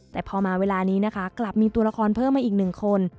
แต่พอมาเวลานี้นะคะกลับมีตัวละครเพิ่มมาอีกหนึ่งคน